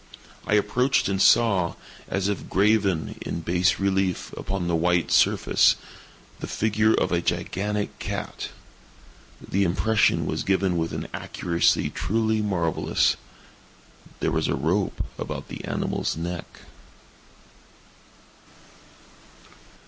I approached and saw, as if graven in bas relief upon the white surface, the figure of a gigantic cat. The impression was given with an accuracy truly marvellous. There was a rope about the animal's neck.